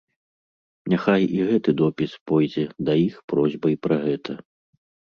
Няхай і гэты допіс пойдзе да іх просьбай пра гэта.